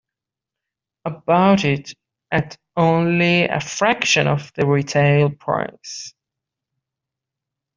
I bought it at only a fraction of the retail price.